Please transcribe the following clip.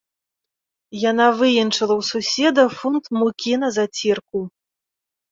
Яна выенчыла ў суседа фунт мукі на зацірку.